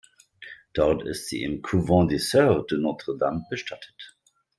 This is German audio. Dort ist sie im Couvent des Soeurs de Notre-Dame bestattet.